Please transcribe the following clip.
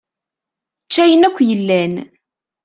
Ečč ayen akk yellan.